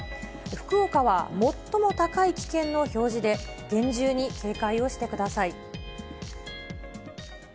福岡は最も高い危険の表示で、厳重に警戒をしてください。